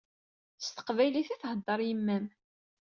S teqbaylit i theddeṛ yemma-m.